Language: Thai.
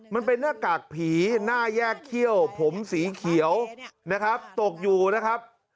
มันเป็นหน้ากากผีหน้าแยกเขี้ยวผมสีเขียวนะครับตกอยู่นะครับ